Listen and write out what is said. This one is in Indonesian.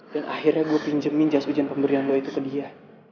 dan akhirnya gue pinjemin jas hujan pemberian lo itu ke dia